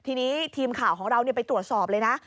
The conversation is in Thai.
ทีนี้ทีมข่าวของเราไปตรวจสอบเลยนะ